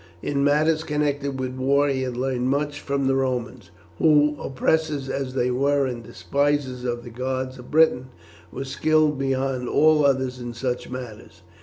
In matters connected with war he had learned much from the Romans, who, oppressors as they were and despisers of the gods of Britain, were skilled beyond all others in such matters.